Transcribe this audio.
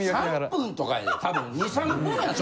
３分とかやで多分２３分や。